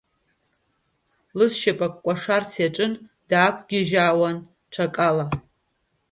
Лызшьапык кәашарц иаҿын, дықәгьыжьуан ҽакала.